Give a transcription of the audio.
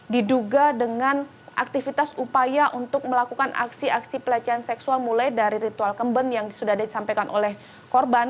diduga dengan aktivitas upaya untuk melakukan aksi aksi pelecehan seksual mulai dari ritual kemben yang sudah disampaikan oleh korban